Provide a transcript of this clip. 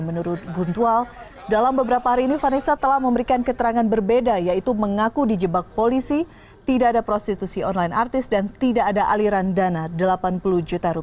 menurut guntual dalam beberapa hari ini vanessa telah memberikan keterangan berbeda yaitu mengaku di jebak polisi tidak ada prostitusi online artis dan tidak ada aliran dana rp delapan puluh juta